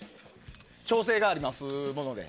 調整がありますので。